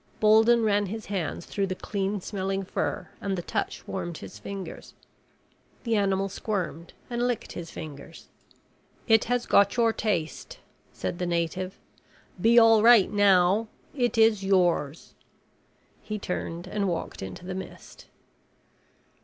Bolden ran his hands through the clean smelling fur and the touch warmed his fingers. The animal squirmed and licked his fingers. "It has got your taste," said the native. "Be all right now. It is yours." He turned and walked into the mist.